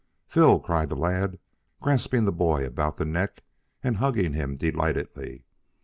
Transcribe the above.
"Phil!" cried the lad, grasping the boy about the neck and hugging him delightedly.